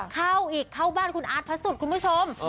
เข้าอีกเข้าบ้านคุณอาร์ตพระสุทธิ์คุณผู้ชม